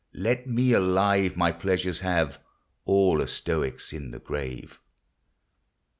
Let me alive my pleasures have ; All are Stoics in the grave.